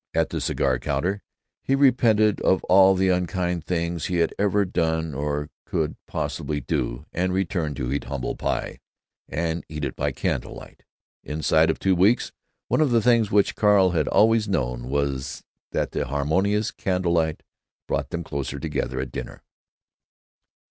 At the cigar counter he repented of all the unkind things he had ever done or could possibly do, and returned to eat humble pie—and eat it by candle light. Inside of two weeks one of the things which Carl Ericson had always known was that the harmonious candle light brought them close together at dinner.